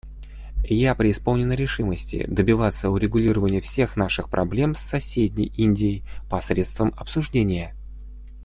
Я преисполнена решимости добиваться урегулированию всех наших проблем с соседней Индии посредством обсуждения.